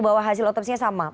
bahwa hasil otopsinya sama